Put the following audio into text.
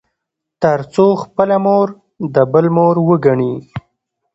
تـر څـو خـپله مـور د بل مور وګـني.